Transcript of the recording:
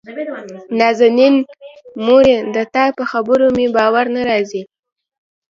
نازنين: مورې دتا په خبرو مې باور نه راځي.